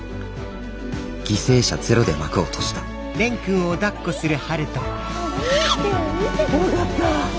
犠牲者ゼロで幕を閉じた蓮くん。よかった。